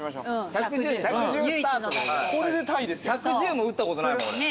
１１０も打ったことないもん。